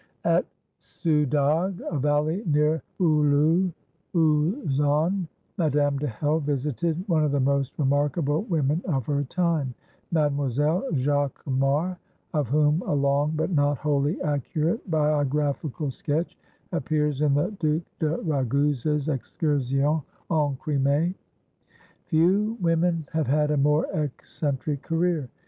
At Soudagh, a valley near Oulou Ouzon, Madame de Hell visited one of the most remarkable women of her time, Mademoiselle Jacquemart, of whom a long but not wholly accurate biographical sketch appears in the Duc de Raguse's "Excursion en Crimée." Few women have had a more eccentric career.